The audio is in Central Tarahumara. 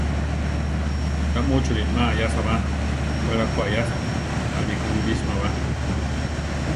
Ta múchuri má aʼyasá ba; we la ko aʼyasa, aʼlí ko wilísima ba.